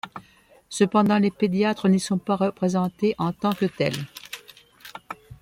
Cependant, les pédiatres n'y sont pas représentés en tant que tels.